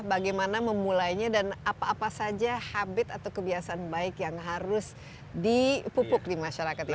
bagaimana memulainya dan apa apa saja habit atau kebiasaan baik yang harus dipupuk di masyarakat ini